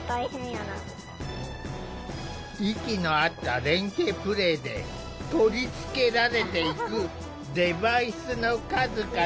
息の合った連係プレイで取り付けられていくデバイスの数々。